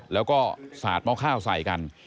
แล้วก็สาดหม้อข้าวใส่กัน